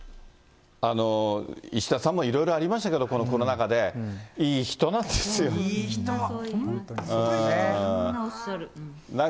石田さんもいろいろありましたけど、このコロナ禍で、いい人いい人。